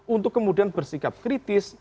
untuk kemudian bersikap kritis